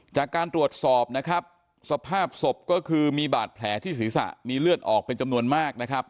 จากการตรวจสอบนะครับสภาพศพก็คือมีบาดแผลที่ศีรษะมีเลือดออกเป็นจำนวนมากนะครับ